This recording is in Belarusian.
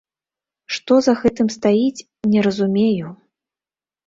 Што за гэтым стаіць, не разумею?